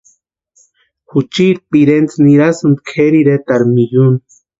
Juchiti pirentsï nirasti kʼeri iretarhu miyuni.